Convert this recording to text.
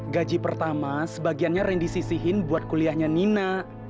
gaji pertama sebagiannya rendy sisihin buat kuliahnya nina